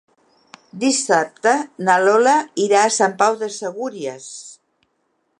Dissabte na Lola irà a Sant Pau de Segúries.